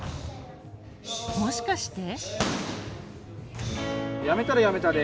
もしかして？